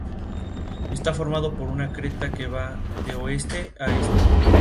Gonzalo de Berceo escribió su "Vida", basándose en fuentes latinas.